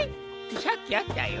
さっきあったよ。